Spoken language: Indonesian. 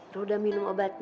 lu udah minum obatnya